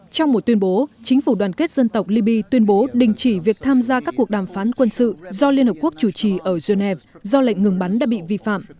trong một tuyên bố chính phủ đoàn kết dân tộc libya tuyên bố đình chỉ việc tham gia các cuộc đàm phán quân sự do liên hợp quốc chủ trì ở genève do lệnh ngừng bắn đã bị vi phạm